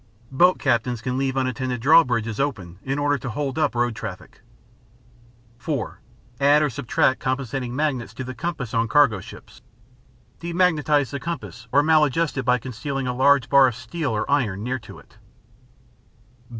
Boat captains can leave unattended draw bridges open in order to hold up road traffic. (4) Add or subtract compensating magnets to the compass on cargo ships. Demagnetize the compass or maladjust it by concealing a large bar of steel or iron near to it.